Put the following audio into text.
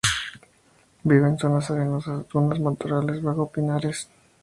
Vive en zonas arenosas, dunas, matorrales bajo pinares.